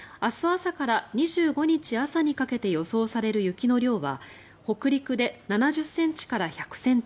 朝から２５日朝にかけて予想される雪の量は北陸で７０ｃｍから１００ｃｍ